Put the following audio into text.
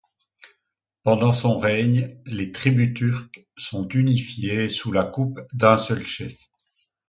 Pendant son règne, les tribus turques sont unifiées sous la coupe d'un seul chef.